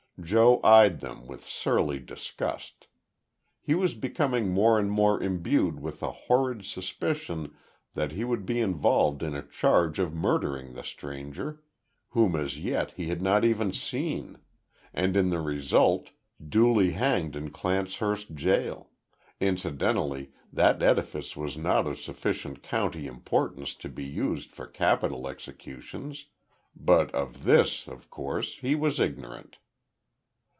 Joe eyed them with surly disgust. He was becoming more and more imbued with a horrid suspicion that he would be involved in a charge of murdering the stranger whom as yet he had not even seen and in the result, duly hanged in Clancehurst gaol; incidentally that edifice was not of sufficient county importance to be used for capital executions, but of this, of course, he was ignorant.